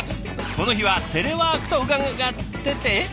この日はテレワークと伺ってってえっ？